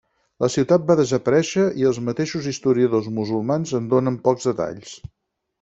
La ciutat va desaparèixer i els mateixos historiadors musulmans en donen pocs detalls.